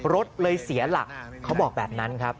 รถเลยเสียหลักเขาบอกแบบนั้นครับ